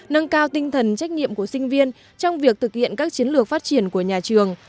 nâng cao tinh thần trách nhiệm của sinh viên trong việc thực hiện các chiến lược phát triển của nhà trường